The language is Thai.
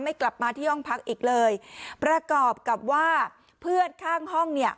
กลับมาที่ห้องพักอีกเลยประกอบกับว่าเพื่อนข้างห้องเนี่ย